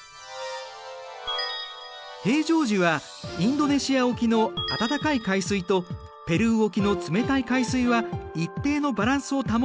平常時はインドネシア沖の温かい海水とペルー沖の冷たい海水は一定のバランスを保っている。